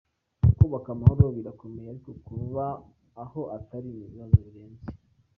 Kubaka amahoro birakomeye, ariko kuba aho atari ni ibibazo birenze”.